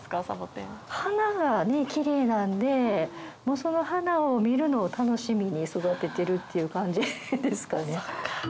その花を見るのを楽しみに育ててるっていう感じですかね。